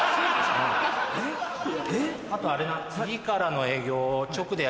あとあれな。